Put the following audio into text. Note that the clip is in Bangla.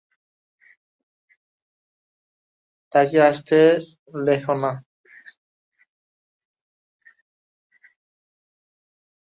তাকে আসতে লেখো-না।